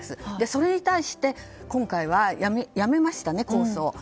それに対して今回はやめましたね、控訴を。